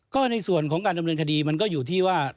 ก็ในส่วนของการดำเนินคดีมันก็อยู่ที่ว่า